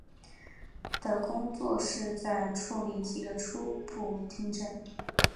的工作是在处理及的初步听证。